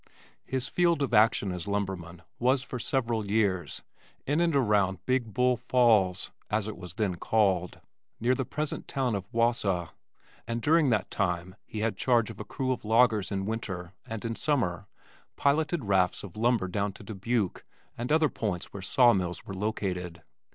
His field of action as lumberman was for several years, in and around Big Bull Falls (as it was then called), near the present town of Wausau, and during that time he had charge of a crew of loggers in winter and in summer piloted rafts of lumber down to Dubuque and other points where saw mills were located.